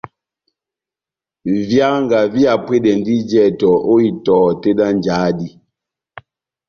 Výanga vihapwedɛndi jɛtɔ ó itɔhɔ tɛ́h dá njáhá dí.